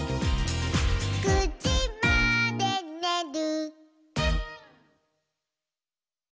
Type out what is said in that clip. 「９じまでにねる」